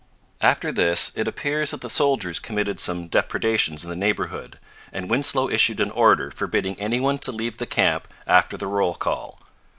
After this it appears that the soldiers committed some depredations in the neighbourhood, and Winslow issued an order forbidding any one to leave the camp after the roll call.